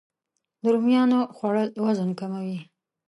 د رومیانو خوړل وزن کموي